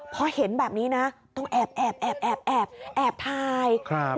พอเห็นแบบนี้นะต้องแอบแอบถ่าย